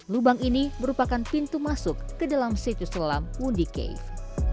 lubang ini merupakan pintu masuk ke dalam situs selam wundi cave